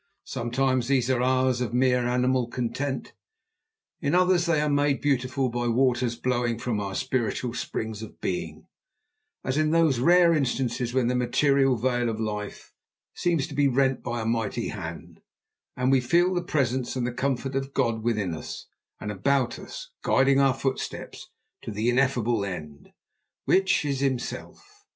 Sometimes these are hours of mere animal content. In others they are made beautiful by waters blowing from our spiritual springs of being, as in those rare instances when the material veil of life seems to be rent by a mighty hand, and we feel the presence and the comfort of God within us and about us, guiding our footsteps to the ineffable end, which is Himself.